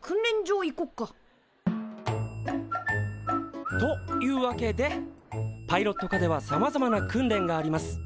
訓練場行こっか。というわけでパイロット科ではさまざまな訓練があります。